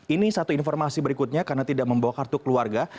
ini satu informasi berikutnya karena tidak membawa kartu keluarga